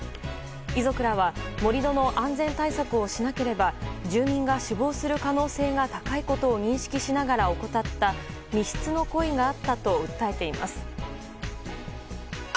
遺族らは盛り土の安全対策をしなければ住民が死亡する可能性が高いことを認識しながら怠った未必の故意があったと訴えています。